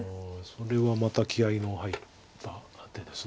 それはまた気合いの入った手です。